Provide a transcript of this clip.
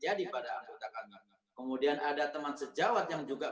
tolong jika ada hal hal yang berkaitan dengan permasalahan kesehatan yang terjadi